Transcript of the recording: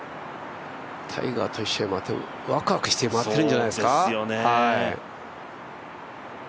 タイガーと一緒に回ってわくわくして回ってるんじゃないですか。